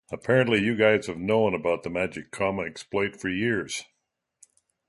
Apparently, you guys've known about the magic comma exploit for years.